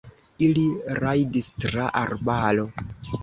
Ili rajdis tra arbaro.